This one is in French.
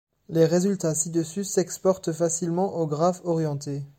Les résultats ci-dessus s'exportent facilement aux graphes orientés.